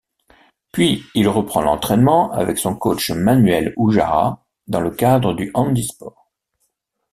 Puis il reprend l'entraînement, avec son coach Manuel Hujara, dans le cadre du handisport.